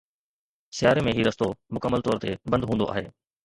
سياري ۾ هي رستو مڪمل طور تي بند هوندو آهي